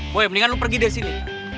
gue mendingan lu pergi dari sini